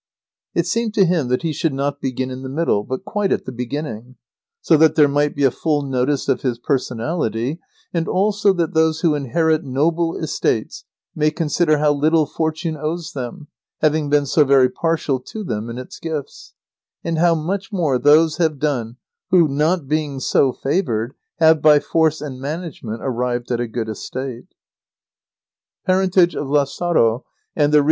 It seemed to him that he should not begin in the middle, but quite at the beginning, [Sidenote: Success of the poor should be a lesson to the rich.] so that there might be a full notice of his personality, and also that those who inherit noble estates may consider how little fortune owes them, having been so very partial to them in its gifts; and how much more those have done who, not being so favoured, have, by force and management, arrived at a good estate.